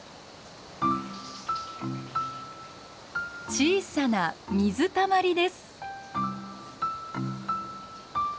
小さな水たまりです。